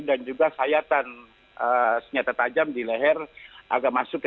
dan juga sayatan senjata tajam di leher agak masuk ya